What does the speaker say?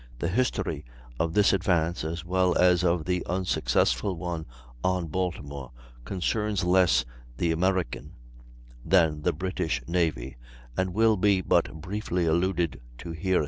The history of this advance, as well as of the unsuccessful one on Baltimore, concerns less the American than the British navy, and will be but briefly alluded to here.